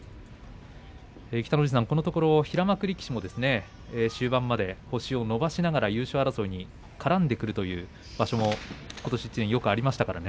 北の富士さん、このところ平幕力士も終盤まで星を伸ばしながら優勝争いに絡んでくるという場所もことし１年よくありましたからね。